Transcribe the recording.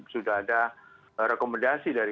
sudah ada rekomendasi dari